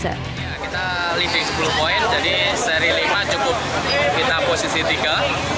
kita living sepuluh poin jadi seri lima cukup kita posisi tiga